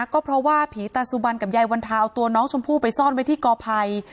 ก็เพราะว่าผีตาสุบันกับยายวันทาเอาตัวน้องชมพู่ไปซ่อนไว้ที่กอภัย